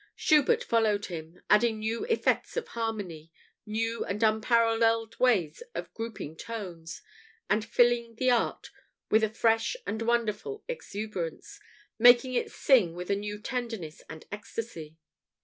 Schubert followed him, adding new effects of harmony, new and unparalleled ways of grouping tones, and filling the art with a fresh and wonderful exuberance, making it sing with a new tenderness and ecstasy.